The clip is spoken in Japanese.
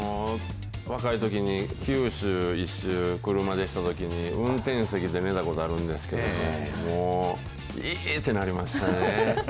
若いときに九州一周、車でしたときに、運転席で寝たことあるんですけれども、もう、いーってなりましたね。